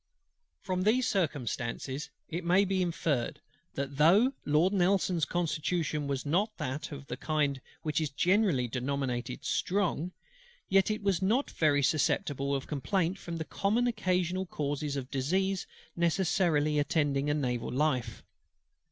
From these circumstances it may be inferred, that though Lord NELSON'S constitution was not of that kind which is generally denominated strong, yet it was not very susceptible of complaint from the common occasional causes of disease necessarily attending a naval life.